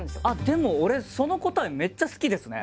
でも俺その答えめっちゃ好きですね。